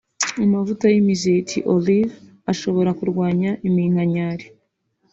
Amavuta y'imizeti(Olive) ashobora kurwanya iminkanyari